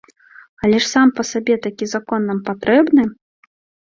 Але ж сам па сабе такі закон нам патрэбны?